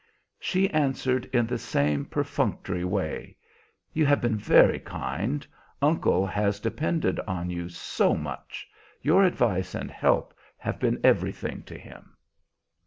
She answered in the same perfunctory way: "You have been very kind; uncle has depended on you so much. Your advice and help have been everything to him."